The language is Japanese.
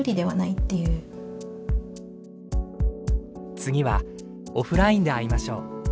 「次はオフラインで会いましょう」。